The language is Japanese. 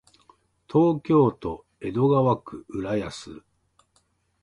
東京都江戸川区浦安